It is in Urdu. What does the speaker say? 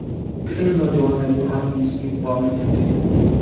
کتنے نوجوان ہیں جو آج بھی اسی خواب میں جیتے ہیں۔